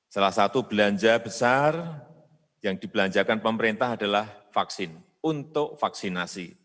salah satu belanja besar yang dibelanjakan pemerintah adalah vaksin untuk vaksinasi